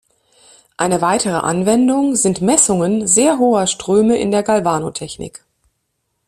Eine weitere Anwendung sind Messungen sehr hoher Ströme in der Galvanotechnik.